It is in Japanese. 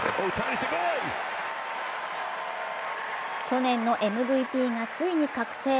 去年のＭＶＰがついに覚醒。